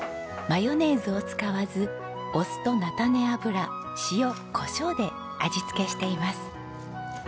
マヨネーズを使わずお酢と菜種油塩コショウで味付けしています。